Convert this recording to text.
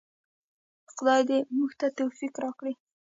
خدای دې موږ ته توفیق راکړي؟